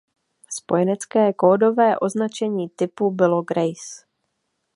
Spojenecké kódové označení typu bylo Grace.